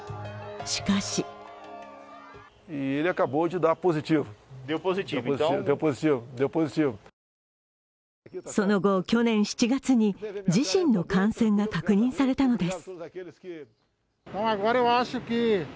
しかしその後、去年７月に自身の感染が確認されたのです。